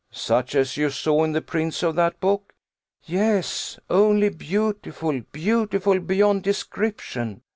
"Such as you saw in the prints of that book?" "Yes; only beautiful, beautiful beyond description!